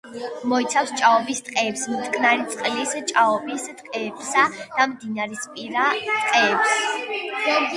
მოიცავს ჭაობის ტყეებს, მტკნარი წყლის ჭაობის ტყეებსა და მდინარისპირა ტყეებს.